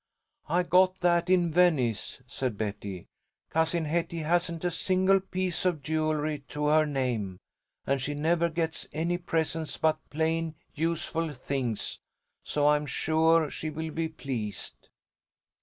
"I got that in Venice," said Betty. "Cousin Hetty hasn't a single piece of jewelry to her name, and she never gets any presents but plain, useful things, so I am sure she will be pleased."